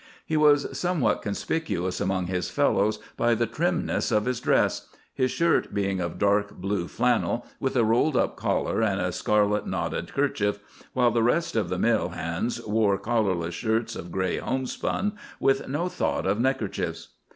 He was somewhat conspicuous among his fellows by the trimness of his dress, his shirt being of dark blue flannel with a rolled up collar and a scarlet knotted kerchief, while the rest of the mill hands wore collarless shirts of grey homespun, with no thought of neckerchiefs.